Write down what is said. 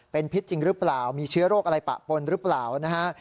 เป็นพิษจริงหรือเปล่ามีเชื้อโรคอะไรปะปนหรือเปล่านะฮะ